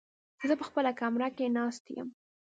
زه په خپله کمره کې ناست يم.